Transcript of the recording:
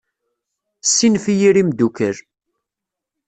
Ssinef i yir imeddukal.